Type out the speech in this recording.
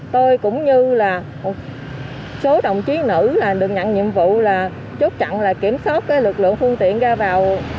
tôi cũng như số đồng chí nữ được nhận nhiệm vụ chốt chặn kiểm soát lực lượng phương tiện ra vào tp bạc liêu